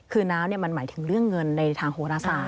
คือน้ำมันหมายถึงเรื่องเงินในทางโหรศาส